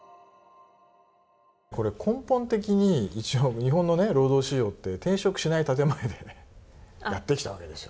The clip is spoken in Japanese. これ根本的に一応日本の労働市場って転職しない建て前でやってきたわけですよ。